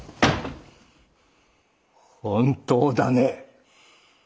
本当だね！？